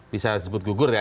bisa disebut gugur ya